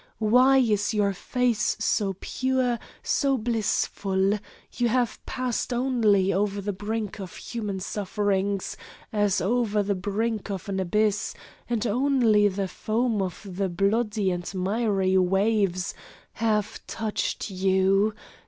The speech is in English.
Why is Your face so pure, so blissful? You have passed only over the brink of human sufferings, as over the brink of an abyss, and only the foam of the bloody and miry waves have touched You.